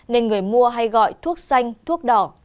nên người mua hay gọi thuốc xanh thuốc đỏ